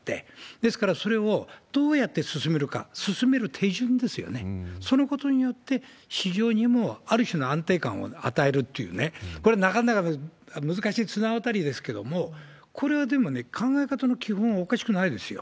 ですから、それをどうやって進めるか、進める手順ですよね、そのことによって市場にもある種の安定感を与えるっていうね、これ、なかなか難しい綱渡りですけれども、これはでもね、考え方の基本はおかしくないですよ。